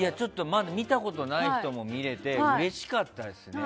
まだ見たことない人も見られてうれしかったですね。